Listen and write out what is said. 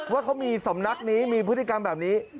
ว่าเขามีสำนักนี้มีพฤติกรรมแบบนี้